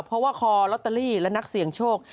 เพราะว่าคอลอตเตอรี่และนักเสี่ยงโชค